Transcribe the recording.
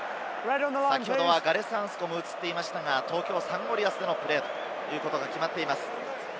先ほどはガレス・アンスコムが映っていましたが、東京サンゴリアスでのプレーということが決まっています。